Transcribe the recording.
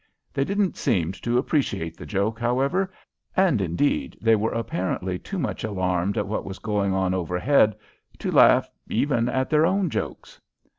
They didn't seem to appreciate the joke, however, and, indeed, they were apparently too much alarmed at what was going on overhead to laugh even at their own jokes.